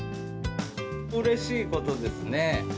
うれしいことですね。